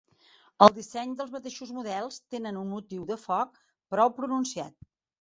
El disseny dels mateixos models tenen un motiu de foc prou pronunciat.